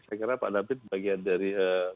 saya kira pak david bagian dari